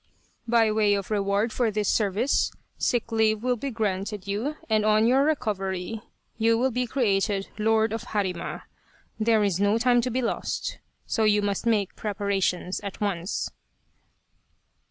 By way of reward for this service sick leave will be granted you, and on your recovery you will be created Lord of Harima. There is no time to be lost, so you must make preparations at once."